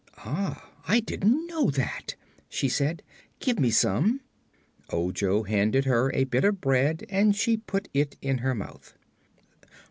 "Ah, I didn't know that," she said. "Give me some." Ojo handed her a bit of the bread and she put it in her mouth.